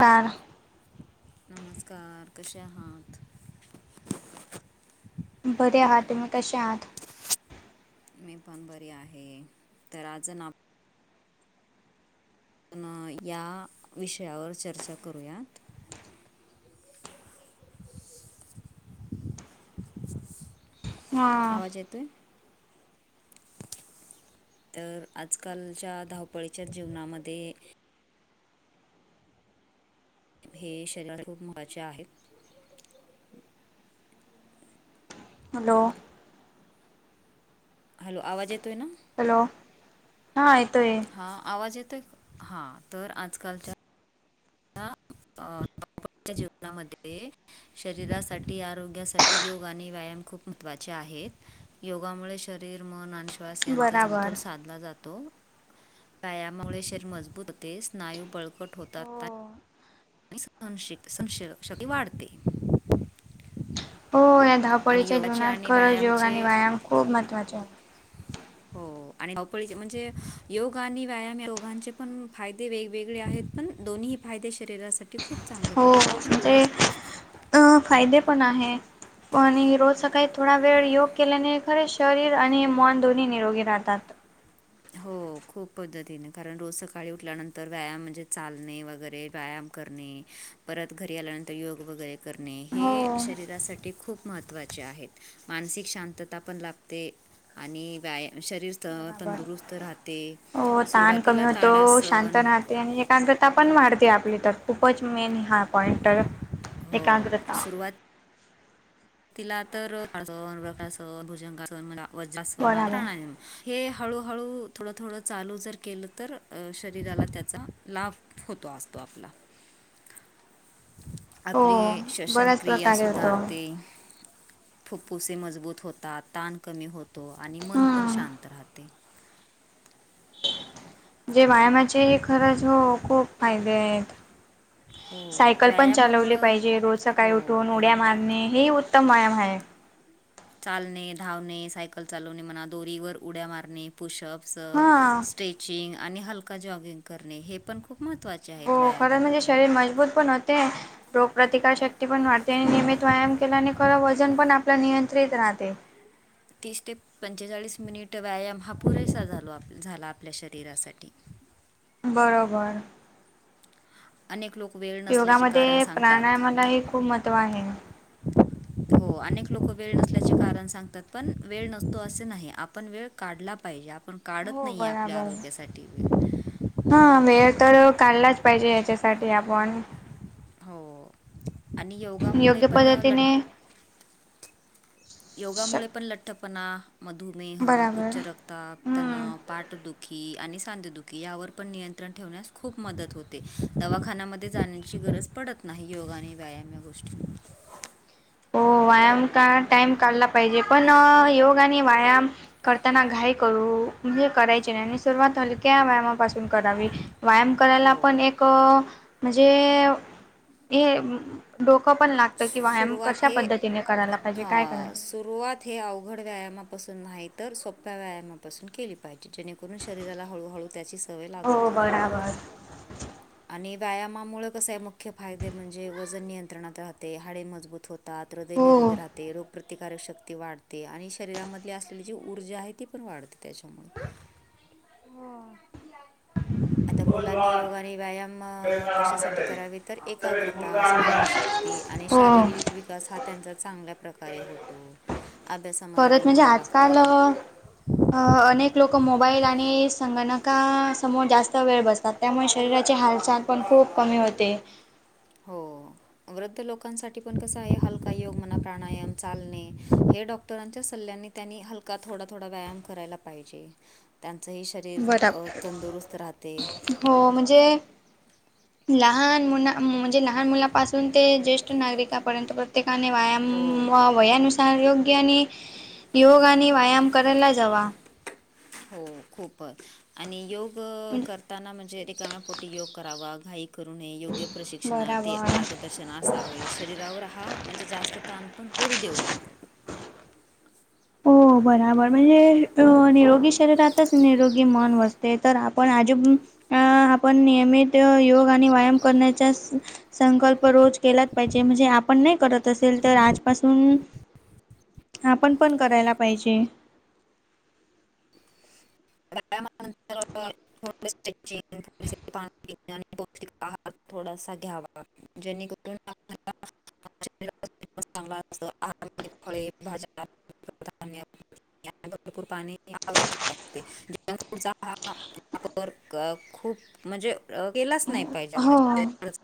Car नमस्कार कसे आहात. बर आात तम्ही कशसे आहात. मी पण बरी आहे तर आज ना. आपण या विषयावर चर्चा करूयात. हा आवाज येतोय. तर आजकालच्या धावपळीच्या जीवनामध्ये. हे शरीराात खूप महत्त्वाचे आहे. हॅलो. हॅलो आवाज येतो आहे ना. हॅलो हां येतोय. हा आवाज येतो हा तर आजकालच्या च्या जीवनामध्ये शरीरासाठी आरोग्यासाठी योग आणि व्यायाम खूप महत्त्वाचे आहेत. योगामुळे शरीर मन आणि श्वास यांचा बराबर समतोल साधला जातो. व्यायामुळे शरीर मजबूत होते स्नायू बळकट हो होतात. संशित संशती वाढते. हो या्या आणि धापळीच्या योगाचे जीवनात आणि खरंच योग आणि व्यायामाचे व्यायाम खूप महत्वाचा आहे हो आणि म्हणजे योग आणि व्यायाम या रोगांचे पण फायदे वेगवेगळे आहेत पण दोन्ही फायदे शरीरासाठी खूप चांगल्या हो पद्धतीचे म्हणजे आहेत. अ फायदे पण आहे आणि रोज सकाळी थोडा वेळ योग केल्याने खरे शरीर आणि मन दोन्ही निरोगी राहतात. हो खूप पद्धतीने कारण रोज सकाळी उठल्यानंतर व्यायाम म्हणजे चालणे वगैरे व्यायाम करणे परत घरी आल्यानंतर योग वगैरे करणे हो हे शरीरासाठी खूप महत्त्वाचे आहेत. मानसिक शांतता पण लाभते आणि व्यायाम शरीर बराबर तंदुरुस्त त राहते सुरुवातीला ताडासण ते आणि एकांग्रता पण मारते आपली तर उपज मे निहा पॉंटर हो, एकाग्रता तिला तर भुजंग वज अस बराबर आणि हे हळूहळू थोडं थोडं चालू जर केलं तर शरीराला त्याचा लाभ होतो असतो आपला. [inaudible] हो आपली बऱ्याच श्वसनक्रिया प्रकारे होतो. सुधारते फुफ्फुसे मजबूत होतात ताण कमी होतो आणि मन पण हम्म शांत राहते. जे व्यायामाचे खरंच हो खूप फायदे आहेत. हो सायकल पण चालवले व्यायामामुळं पाहिजे रोज हो सकाळी उठून उड्या बरोबर आहे मारणे हे. उतम व्याम आहे. चालणे, धावणे, सायकल चालवणे म्हणा दोरीवर उड्या मारणे. पुशअप्स, हा स्ट्रेचिंग आणि हलका जॉगिंग करणे हे पण खूप महत्त्वाचे. हो आहेत खरं म्हणजे व्यायामामध्ये शरीर मजबूत पण होते. रोग प्र्रतिकार शक्ती पण वाढते आणि नियमित व्यायाम केला आणि खरं वजन पण आपलं नियंत्रित राहते. तीस ते पंचेचाळीस मिनिट व्यायाम हा पुरेसा झालो झाला आपल्या शरीरासाठी. बरोबर. अनेक लोक वेळ. नसल्याचे कारण योगामध्ये सांगतात प्राणायामालाही खूप महत्त्व आहे. [inaudible] हो अनेक लोक वेळ नसल्याचे कारण सांगतात पण वेळ नसतो असे नाही आपण वेळ काढला पाहिजे. पण काढत हो नाहीे आपल्या बराबर आरोग्यासाठी. हा वेळ तर काढलाच पाहिजे याच्यासाठी आपण. हो आणि योगामुळे योग्य पण लट. पद्धतीने श योगामुळे पण लठ्ठपणा, मधुमेह, बराबर उच्च रक्ताब, हम्म तणाव. पाठदुखी आणि सांदुखी यावर पण नियंत्रण ठेवण्यास खूप मदत होते दवाखान्यामध्ये जा अशी गरज पडत नाही योगा आणि व्यायाम या गोष्टी. हो व्यायाम का टाइम काढला पाहिजे पण योग आणि व्यायाम. करताना घाई करू. म्हणजे करायची नाही आणि सुरुवात हलक्या व्यायामापासून करावी व्यायाम करायला पण हो एक. म्हणजे हे डोकं पण लागतं किवाम. सुरुवात कशा हे पद्धतीने करायला अ, पाहिजे कायरायला. सुरुवात हे अवघड व्यायामापासून नाही तर सोप्या व्यायामापासून केली पाहिजे. जेणेकरून शरीराला हळूहळू त्याची सवय लागत हो जाईल. बराबर आणि व्यायामामुळे कसे आहे मुख्य फायदे म्हणजे वजन नियंत्रणात राहते हाडे मजबूत होते. धैयरोग्य हो राह. रोग प्र्रतिकारक शक्ती वाढते आणि शरीरामध्येध असलेली जी ऊर्जा आहे ती पण वाढते त्याच्या. [inaudible] हो. आता मुलांनी योग आणि व्यायाम कशासाठी करावे तर आमच्याकडे एकाग्रता, मुलगा आणलाय स्मरणशक्ती. आणि हो शारीरिक व- विकास हा त्यांचा चांगल्या प्रकारे होतो अभ्यासामध्ये खरंच पण म्हणजे मन लागते. आजकाल अनेक लोकं मोबाईल आणि संगणकासमोर जास्त वेळ बसतात. त्यामुळे शरीराची हालचाल पण खूप कमी होते. हो. वृद्ध लोकांसाठी पण कस आहे हलका योग म्हणा प्राणाम चालणे हे डॉक्टरांच्या सल्ल्यानी. त्यांनी हलका थोडा थोडा व्यायाम करायला पाहिजे त्यांचही शरी. शरीर बराबर तंदुरुस्त राहते. हो म्हणजे लहान मुला म्हणजे लहान मुलापासून ते जेष्. नागरिकापर्यंत प्रत्येकाने व्यायाम हो वयानुसार योग्य आणि. योग आणि व्यायाम करायला जावा. हो खूपच आणि योग करताना म्हणजे तेिकणपोटी योग करावा घाई. करू नय योग्य प्रशिक्षण ते बराबर मार्गदर्शन. शरीरा हा म्हणजे जास्त ताण पण पडू देऊनेत. हो बराबर म्हणजे निरोगी शरीरातच निरोगी मन वाते तर आपण आजूब. अ आपण नियमित योग आणि व्यायाम करण्याचा संकल्प रोज. केलाच पाहिजे म्हणजे आपण नाही करत असेल तर आजपासून आपण. पण करायला पाहिजे. प्रमानंतर [inaudible] ोिंग पा आणि पौष्टिक आह थोडासा घ्यावा [inaudible] जेणेकर [inaudible] [inaudible] भाज [inaudible] गरपूर पाने आवश्यकता आहे [inaudible] जंक फूड हा वाप खूप म्हणजे केलाच नाही [inaudible] पाहिजे आपल्या हो शरी [inaudible]